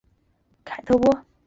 凯特波。